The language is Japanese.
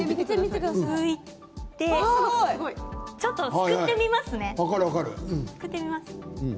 ちょっと、すくってみますね。